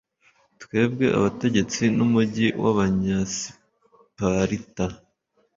twebwe abategetsi n'umugi w'abanyasiparita